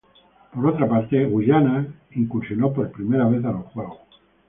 Por otra parte Guyana se incursionó por primera vez a los Juegos.